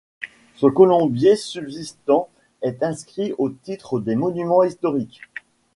Son colombier subsistant est inscrit au titre des Monuments historiques.